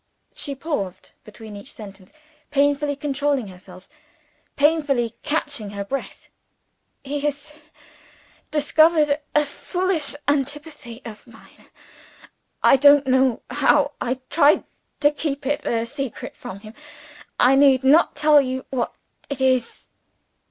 (She paused between each sentence; painfully controlling herself, painfully catching her breath.) "He has discovered a foolish antipathy of mine. I don't know how; I tried to keep it a secret from him. I need not tell you what it is."